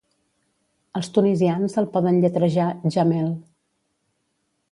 Els tunisians el poden lletrejar "Jamel".